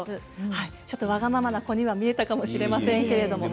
ちょっとわがままな子に見えたかもしれませんけれど。